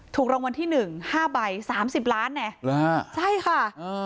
ถูกรางวัลที่หนึ่งห้าใบสามสิบล้านเนี่ยเหรอฮะใช่ค่ะ